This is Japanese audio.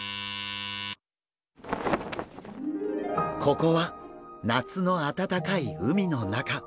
ここは夏のあたたかい海の中。